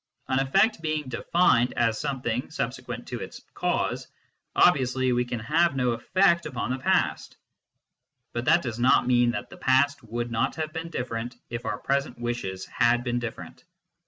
An effect being defined as something subse quent to its cause, obviously we can have no effect upon the past. But that does not mean that the past would not have been different if our present wishes had been different.